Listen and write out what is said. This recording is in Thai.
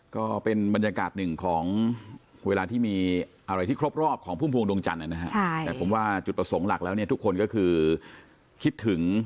ก็เป็นบรรยากาศหนึ่งของเวลาที่มีอะไรที่ครบรอบของพุ่มพวงดวงจันทร์นะฮะแต่ผมว่าจุดประสงค์หลักแล้วเนี่ยทุกคนก็คือคิดถึง